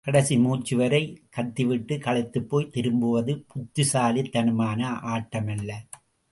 கடைசி மூச்சு வரை கத்திவிட்டு, களைத்துப்போய் திரும்புவது புத்திசாலித்தனமான ஆட்டமல்ல.